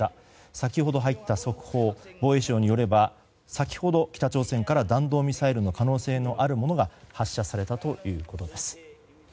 先ほど入った速報防衛省によれば先ほど北朝鮮から弾道ミサイルの可能性のあるものが発射されたということです。